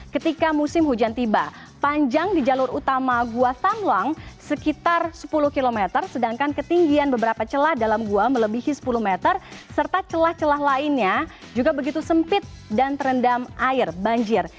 ketika musim hujan tiba panjang di jalur utama gua tamwang sekitar sepuluh km sedangkan ketinggian beberapa celah dalam gua melebihi sepuluh meter serta celah celah lainnya juga begitu sempit dan terendam air banjir